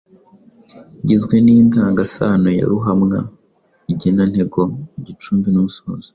igizwe n’indangasano ya ruhamwa, igenantego, igicumbi n’umusozo.